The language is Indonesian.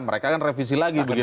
mereka kan revisi lagi begitu